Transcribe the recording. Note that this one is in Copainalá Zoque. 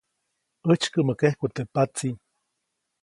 ʼÄjtsykäʼmä kejku teʼ patsi.